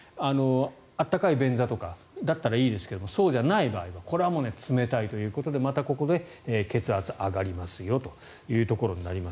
温かい便座とかだったらいいですがそうじゃない場合はこれは冷たいということでまたここで血圧が上がりますよとなります。